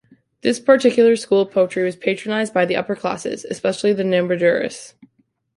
This particular school of poetry was patronized by the upper classes, especially the Nambudiris.